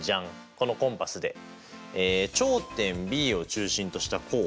このコンパスで頂点Ｂを中心とした弧を書きます。